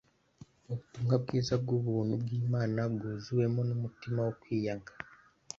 Ubutumwa bwiza bw'ubuntu bw'Imana, bwuzuwemo n'umutima wo kwiyanga,